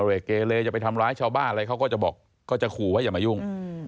เรียกเกเลจะไปทำร้ายชาวบ้านอะไรเขาก็จะบอกก็จะขู่ว่าอย่ามายุ่ง